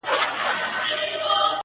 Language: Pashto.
څه به کوو؟!.